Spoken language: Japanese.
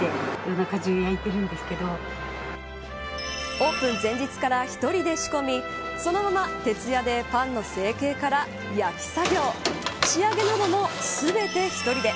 オープン前日から１人で仕込みそのまま徹夜でパンの整形から焼き作業仕上げなども全て１人で。